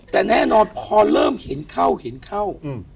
แต่แน่นอนพอเริ่มเห็นเข้า